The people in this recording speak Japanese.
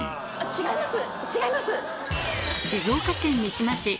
違います。